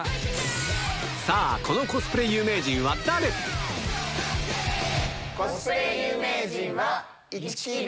さあ、このコスプレ有名人はコスプレ